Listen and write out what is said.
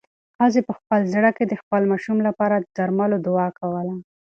ښځې په خپل زړه کې د خپل ماشوم لپاره د درملو دعا کوله.